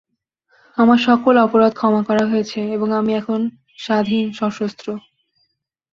আমার সকল অপরাধ ক্ষমা করা হয়েছে, এবং আমি এখন স্বাধীন, সশস্ত্রও।